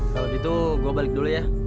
kalau gitu gue balik dulu ya